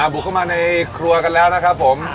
บุกเข้ามาในครัวกันแล้วนะครับผม